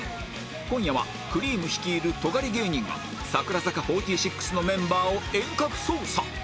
今夜はくりぃむ率いるトガリ芸人が櫻坂４６のメンバーを遠隔操作